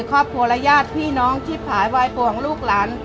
ครอบครัวและญาติพี่น้องที่ผายวายป่วงลูกหลาน